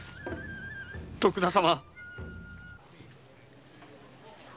徳田様。